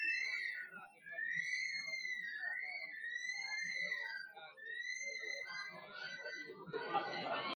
gu zamani nilikuwa mpiganaji jamaa yangu yote iko rwanda